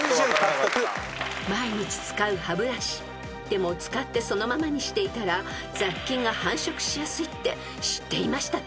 ［でも使ってそのままにしていたら雑菌が繁殖しやすいって知っていましたか？］